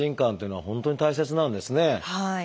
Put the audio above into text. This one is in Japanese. はい。